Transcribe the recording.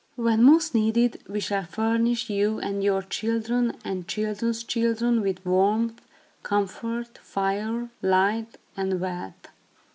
When most needed, we shall furnish you and your children and children's children, with warmth, comfort, fire, light, and wealth.